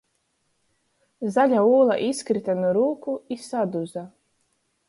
Zaļa ūla izkryta nu rūku i saduza.